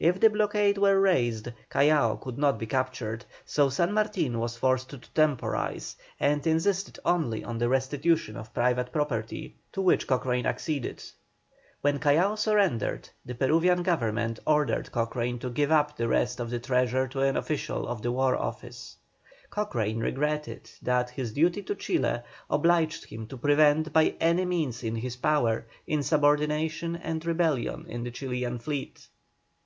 If the blockade were raised Callao could not be captured, so San Martin was forced to temporise, and insisted only on the restitution of private property, to which Cochrane acceded. When Callao surrendered, the Peruvian Government ordered Cochrane to give up the rest of the treasure to an official of the War Office. Cochrane regretted that his duty to Chile obliged him to prevent by any means in his power insubordination and rebellion in the Chilian fleet.